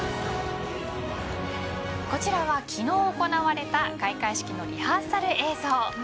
こちらは昨日行われた開会式のリハーサル映像。